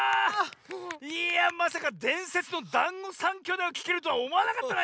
いやまさかでんせつの「だんご３兄弟」をきけるとはおもわなかったな。